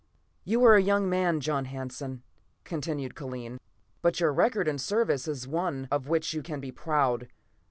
"You are a young man, John Hanson," continued Kellen, "but your record in your service is one of which you can be proud.